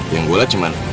yang gua lah cuman